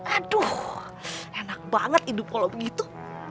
aduh enak banget hidup kalau begitu